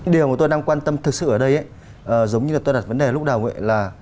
điều mà tôi đang quan tâm thực sự ở đây giống như là tôi đặt vấn đề lúc đầu là